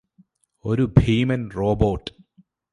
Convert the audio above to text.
ഒരു ഭീമൻ റോബോട്ട്